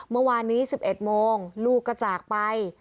เมื่อวานนี้๑๑โมงลูกก็จากไป